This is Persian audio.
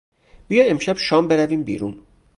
بیا امشب شام برویم بیرون!